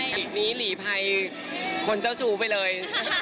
หลีกนี้หลีภัยคนเจ้าชู้ไปเลย